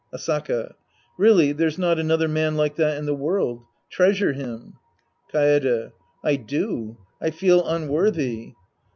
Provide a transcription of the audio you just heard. Asaka. Really there's not another man like that in the world. Treasure him. Kaede. I do. I feel unworthy.